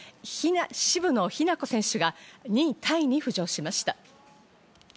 渋野日向子選手が２位タイに浮上しました。